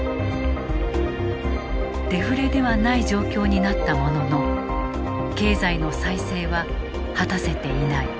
デフレではない状況になったものの経済の再生は果たせていない。